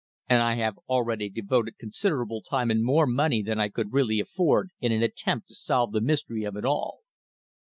"And I have already devoted considerable time and more money than I could really afford in an attempt to solve the mystery of it all."